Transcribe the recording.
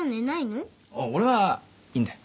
あっ俺はいいんだよ。